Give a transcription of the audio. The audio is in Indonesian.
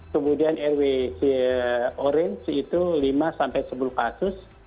kemudian rw orange itu lima sampai sepuluh kasus